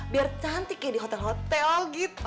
biar cantik ya di hotel hotel gitu